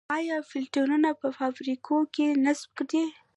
آیا فلټرونه په فابریکو کې نصب دي؟